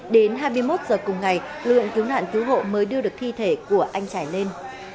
đến hai mươi một giờ cùng ngày luyện cứu nạn cứu hộ mới đưa được thi thể của anh trải lên